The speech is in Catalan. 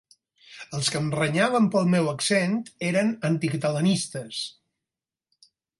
Els que em renyaven pel meu accent eren anticatalanistes.